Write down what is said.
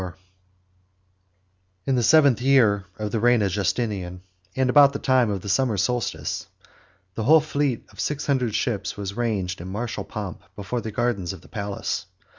] In the seventh year of the reign of Justinian, and about the time of the summer solstice, the whole fleet of six hundred ships was ranged in martial pomp before the gardens of the palace.